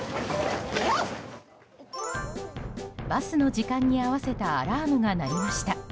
バスの時間に合わせたアラームが鳴りました。